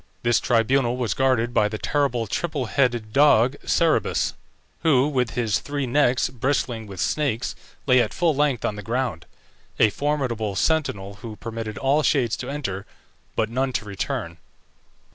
This tribunal was guarded by the terrible triple headed dog Cerberus, who, with his three necks bristling with snakes, lay at full length on the ground; a formidable sentinel, who permitted all shades to enter, but none to return.